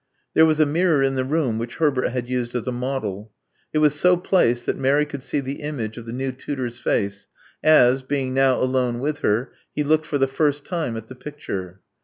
There was a mirror in the room, which Herbert had used as a model. It was so placed that Mary could see the image of the new tutor's face, as, being now alone with her, he looked for the first time at the picture.